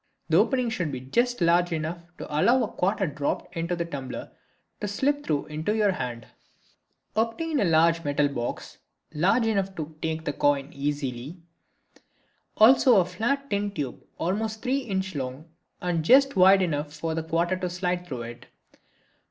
The opening should be just large enough to allow a quarter dropped into the tumbler to slip through into your hand. (See Fig. 8.) Fig. 8. Prepared Tumbler. Obtain a small metal box large enough to take the coin easily, also a flat tin tube about 3 in. long and just wide enough for the quarter to slide through it.